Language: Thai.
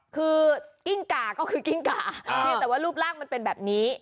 คือกิ้งก่าก็คือกิ้งกาแต่ว่ารูปร่างมันเป็นแบบนี้